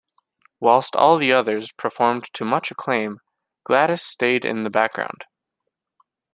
Whilst all the others performed to much acclaim, Gladys stayed in the background.